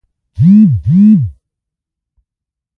کوم ډول غوښه د خوښیږی؟